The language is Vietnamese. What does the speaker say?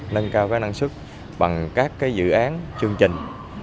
nâng cao năng suất bằng các dự án chương trình